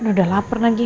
udah laper lagi